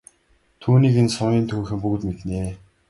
Түүнийг нь сумын төвийнхөн бүгд мэднэ.